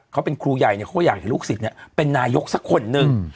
เขาเป็นครูใหญ่เนี่ยเขาอยากให้ลูกศิษย์เป็นนายกสักคนนึง